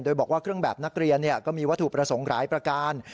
โดยบอกว่าเครื่องแบบนักเรียนก็มีวัตถุประสงค์หลายประการ